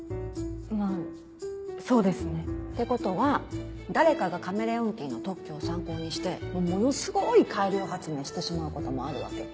まぁそうですね。ってことは誰かがカメレオンティーの特許を参考にしてものすごい改良発明してしまうこともあるわけ。